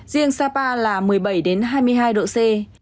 riêng sapa là một mươi bảy hai mươi hai độ c